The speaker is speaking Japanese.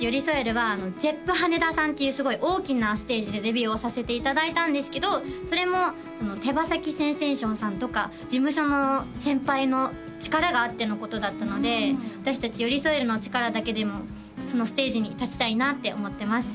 私達ＹＯＲＩＳＯＥＲＵはＺｅｐｐＨａｎｅｄａさんっていうすごい大きなステージでデビューをさせていただいたんですけどそれも手羽先センセーションさんとか事務所の先輩の力があってのことだったので私達ＹＯＲＩＳＯＥＲＵの力だけでもそのステージに立ちたいなって思ってます